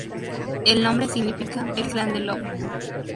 El nombre significa el "clan del lobo".